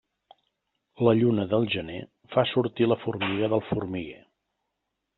La lluna del gener fa sortir la formiga del formiguer.